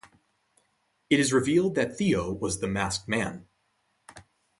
It is revealed that Theo was the masked man.